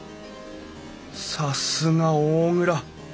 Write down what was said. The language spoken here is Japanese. さすが大蔵。